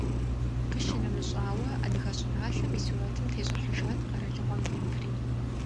Къищынэмыщӏауэ, адыгэ щӏыналъэм и сурэтым тещӏыхьыжат къэралыгъуэм и ныпри.